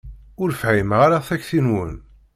Ur fhimeɣ ara takti-nwen.